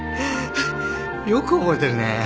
よく覚えてるね。